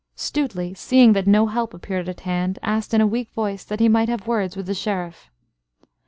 Stuteley, seeing that no help appeared at hand, asked, in a weak voice, that he might have words with the Sheriff.